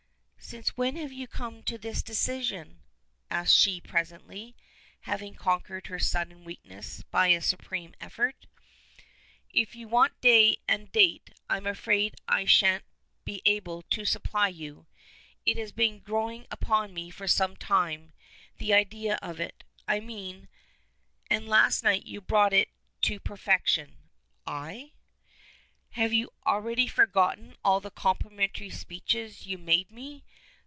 "Since when have you come to this decision?" asks she presently, having conquered her sudden weakness by a supreme effort. "If you want day and date I'm afraid I shan't be able to supply you. It has been growing upon me for some time the idea of it, I mean and last night you brought it to perfection." "I?" "Have you already forgotten all the complimentary speeches you made me?